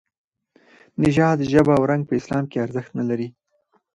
نژاد، ژبه او رنګ په اسلام کې ارزښت نه لري.